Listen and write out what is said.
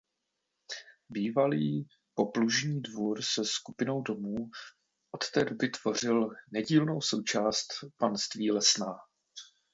Bývalý poplužní dvůr se skupinou domů od té doby tvořil nedílnou součást panství Lesná.